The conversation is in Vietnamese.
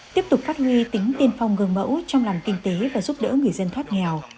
tiếp tục phát huy tính tiên phong gần mẫu trong làm kinh tế và giúp đỡ người dân thoát nghèo